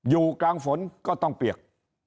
อยู่กลางฝนก็ต้องเปียก